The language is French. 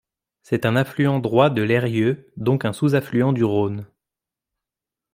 C'est un affluent droit de l'Eyrieux, donc un sous-affluent du Rhône.